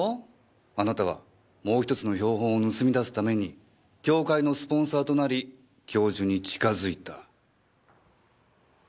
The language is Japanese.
あなたはもう１つの標本を盗み出すために協会のスポンサーとなり教授に近づいた。